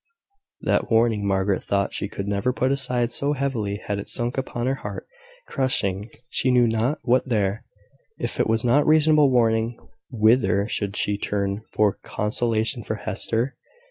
That warning Margaret thought she could never put aside, so heavily had it sunk upon her heart, crushing she knew not what there. If it was not a reasonable warning, whither should she turn for consolation for Hester?